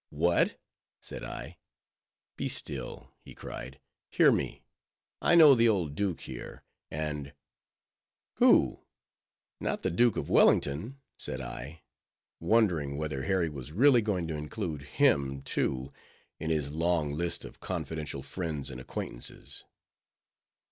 "What?" said I. "Be still," he cried, "hear me, I know the old duke here, and—" "Who? not the Duke of Wellington," said I, wondering whether Harry was really going to include him too, in his long list of confidential friends and acquaintances.